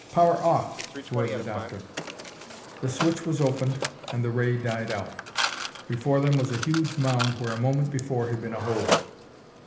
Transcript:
"Power off!" roared the doctor. The switch was opened and the ray died out. Before them was a huge mound where a moment before had been a hole.